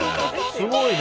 すごいね。